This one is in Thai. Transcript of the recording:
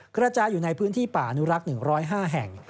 กระจายอยู่ในพื้นที่ป่าอนุรักษ์๑๐๕แห่ง